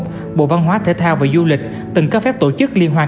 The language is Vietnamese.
năm hai nghìn một bộ văn hóa thể thao và du lịch từng có phép tổ chức liên hoan